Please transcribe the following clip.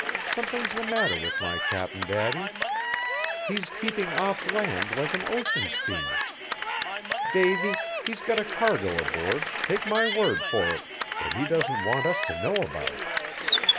Something's the matter with my Cap'n Daddy. He's keeping off land like an ocean steamer. Davy, he's got a cargo aboard, take my word for it, that he doesn't want us to know about.